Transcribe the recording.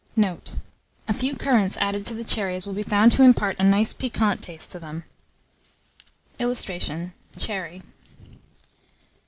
Note. A few currants added to the cherries will be found to impart a nice piquant taste to them. [Illustration: CHERRY.